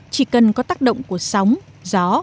chỉ cần có tác động của sóng gió